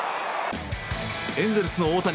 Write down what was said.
エンゼルスの大谷。